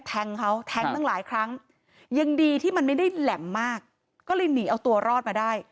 แทงเขาแทงตั้งหลายครั้งยังดีที่มันไม่ได้แหลมมากก็เลยหนีเอาตัวรอดมาได้